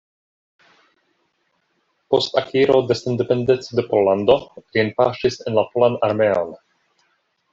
Post akiro de sendependeco de Pollando li enpaŝis en la polan armeon.